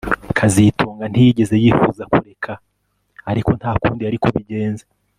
kazitunga ntiyigeze yifuza kureka ariko nta kundi yari kubigenza